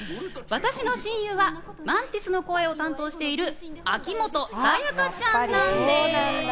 私の親友はマンティスの役の声を担当している秋元才加ちゃんです。